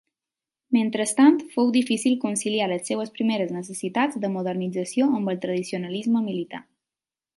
Mentrestant, fou difícil conciliar les seues primeres necessitats de modernització amb el tradicionalisme militar.